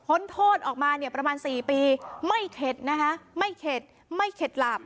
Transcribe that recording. โทษออกมาเนี่ยประมาณ๔ปีไม่เข็ดนะคะไม่เข็ดไม่เข็ดหลาบ